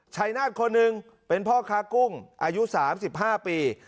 ชายนาฏคนหนึ่งเป็นพ่อค้ากุ้งอายุ๓๕ปี